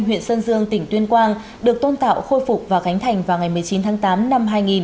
huyện sơn dương tỉnh tuyên quang được tôn tạo khôi phục và khánh thành vào ngày một mươi chín tháng tám năm hai nghìn